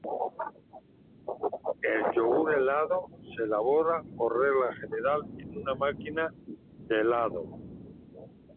El yogur helado se elabora por regla general en una máquina de helado.